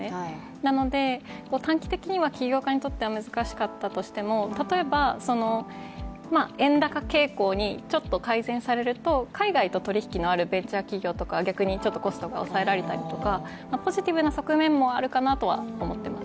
なので、短期的には企業家にとっては難しかったとしても、例えば、その円高傾向にちょっと改善されると海外と取引のあるベンチャー企業はちょっとコストが抑えられたりポジティブな側面もあるかなとは思っています